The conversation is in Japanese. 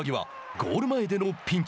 ゴール前でのピンチ。